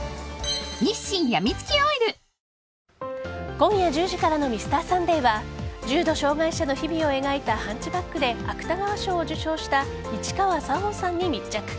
今夜１０時からの「Ｍｒ．サンデー」は重度障害者の日々を描いた「ハンチバック」で芥川賞を受賞した市川沙央さんに密着。